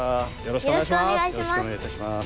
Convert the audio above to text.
よろしくお願いします。